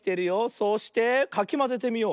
そしてかきまぜてみよう。